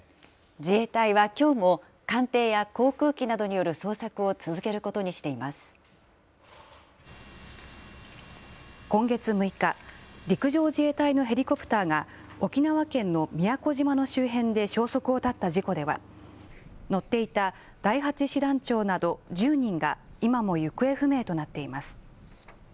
自衛隊はきょうも、艦艇や航空機などによる捜索を続けること今月６日、陸上自衛隊のヘリコプターが、沖縄県の宮古島の周辺で消息を絶った事故では、乗っていた第８師団長など１０人が今も行方不明となっています。